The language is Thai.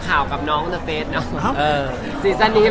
อ่าซีซั่นที่แล้ว